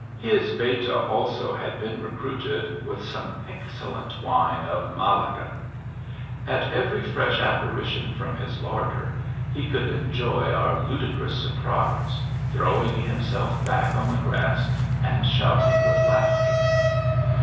His beta also had been recruited with some excel lent wine of Malaga. At ever) fresh apparition from his larder, he could enjoy our ludicrous surprise, throwing himself back on the grass arid shouting with laughter.